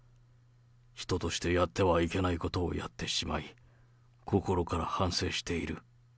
人としてやってはいけないことをやってしまい、心から反省している。